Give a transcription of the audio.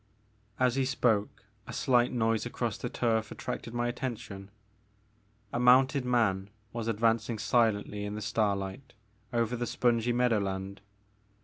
As he spoke a slight noise across the turf at tracted my attention. A mounted man was advancing silently in the starlight over the spongy meadowland.